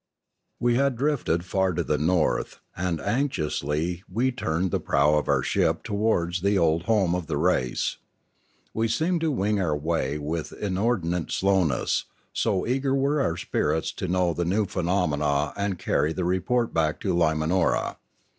We had drifted far to the north, and anxiously we turned the prow of our airship towards the old home of the race. We seemed to wing our way with inor dinate slowness, so eager were our spirits to know the new phenomena and to carry the report back to Lima nora.